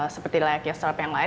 seperti layaknya strap yang lain